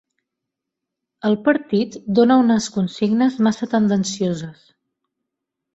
El partit dona unes consignes massa tendencioses.